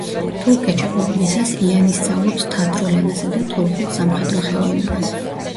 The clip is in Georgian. თურქეთში ყოფნისას იანი სწავლობს თათრულ ენასა და თურქულ სამხედრო ხელოვნებას.